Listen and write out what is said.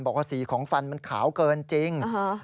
บอกว่าสีของฟันมันขาวเกินจริง